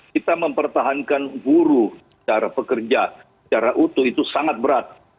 kita mempertahankan guru secara pekerja secara utuh itu sangat berat